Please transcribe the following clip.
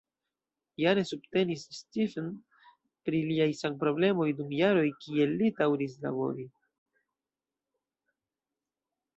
Jane subtenis Stephen pri liaj sanproblemoj dum jaroj kiel li daŭris labori.